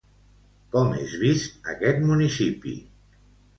Com és vist aquest municipi?